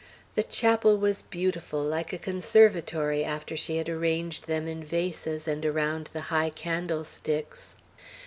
The chapel was beautiful, like a conservatory, after she had arranged them in vases and around the high candlesticks.